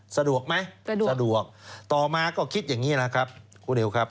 สะดวกไหมสะดวกต่อมาก็คิดอย่างนี้แหละครับคุณนิวครับ